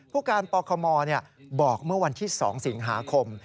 ผู้การปคมบอกเมื่อวันที่๒สิงหาคม